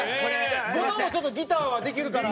後藤もちょっとギターはできるから。